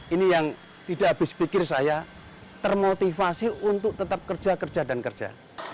ini yang tidak habis pikir saya termotivasi untuk tetap kerja kerja dan kerja